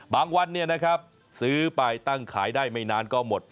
วันซื้อไปตั้งขายได้ไม่นานก็หมด